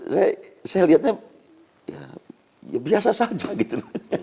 saya lihatnya ya biasa saja gitu